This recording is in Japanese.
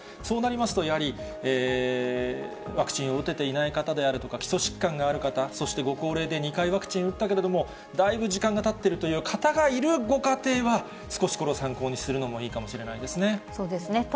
そうなりますと、やはりワクチンを打てていない方であるとか、基礎疾患がある方、そしてご高齢で２回ワクチン打ったけれども、だいぶ時間がたってるという方がいるご家庭は、少しこれを参考にするのもいいかそうですね。